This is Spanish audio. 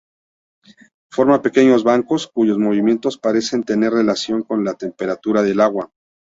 Forma pequeños bancos, cuyos movimientos parecen tener relación con la temperatura del agua.